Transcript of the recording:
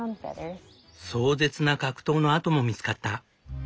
壮絶な格闘の跡も見つかった。